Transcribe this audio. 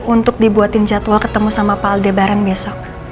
untuk dibuatin jadwal ketemu sama pak aldebaran besok